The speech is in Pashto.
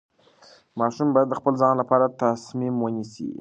ماشوم باید د خپل ځان لپاره تصمیم ونیسي.